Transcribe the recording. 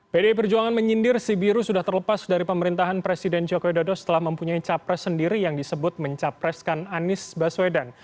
pdi perjuangan menyindir sibiru sudah terlepas dari pemerintahan presiden joko widodo setelah mempunyai capres sendiri yang disebut mencapreskan anies baswedan